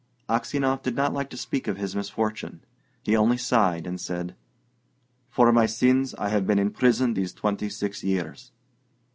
Aksionov did not like to speak of his misfortune. He only sighed, and said, "For my sins I have been in prison these twenty six years."